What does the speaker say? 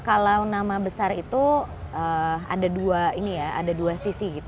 kalau nama besar itu ada dua sisi